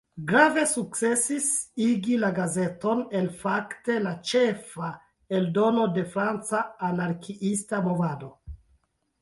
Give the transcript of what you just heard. Grave sukcesis igi la gazeton el fakte la "ĉefa" eldono de franca anarkiista movado.